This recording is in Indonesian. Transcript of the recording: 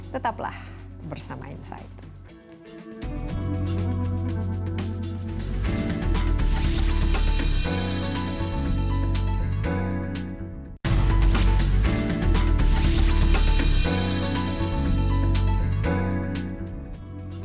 tetaplah bersama insight